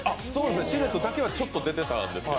シルエットだけはちょっと出てたんですけど。